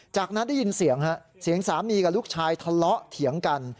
จากนั้นได้ยินเสียงฮะเสียงสามีกับลูกชายทะเลาะเถียงกัน